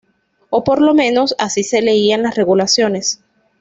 O por lo menos, así se leían las regulaciones.